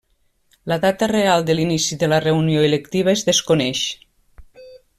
La data real de l'inici de la reunió electiva es desconeix.